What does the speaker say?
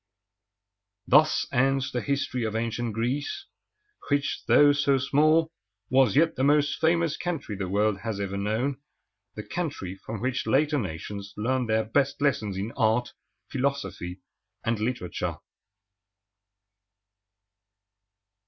Thus ends the history of ancient Greece, which, though so small, was yet the most famous country the world has ever known, the country from which later nations learned their best lessons in art, philosophy, and literature.